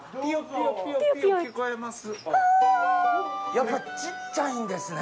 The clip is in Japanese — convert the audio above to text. やっぱ小っちゃいんですね。